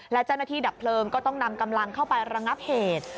และเจ้าหน้าที่ดับเพลิงก็ต้องนำกำลังเข้าไประงับเหตุ